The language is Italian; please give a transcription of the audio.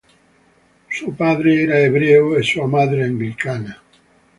Suo padre era ebreo e sua madre anglicana.